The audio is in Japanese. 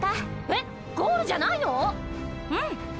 えっゴールじゃないの⁉うん♥